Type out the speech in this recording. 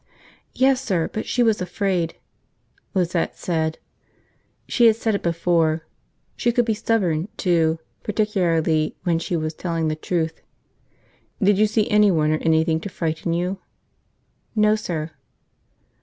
"Yes, sir. But she was afraid," Lizette said. She had said it before. She could be stubborn, too, particularly when she was telling the truth. "Did you see anyone or anything to frighten you?" "No, sir."